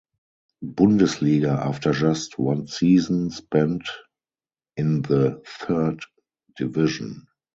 Bundesliga after just one season spent in the third division.